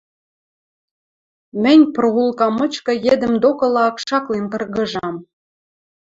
Мӹнь проулка мычкы йӹдӹм докыла акшаклен кыргыжам.